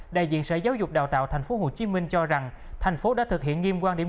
đại diện sở giáo dục đào tạo tp hcm cho rằng thành phố đã thực hiện nghiêm quan điểm